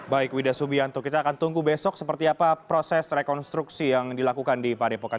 baik wida subianto kita akan tunggu besok seperti apa proses rekonstruksi yang dilakukan di padepokan